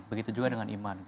begitu juga dengan iman